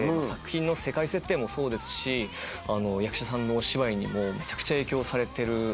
作品の世界設定もそうですし役者さんのお芝居にもめちゃくちゃ影響されてる。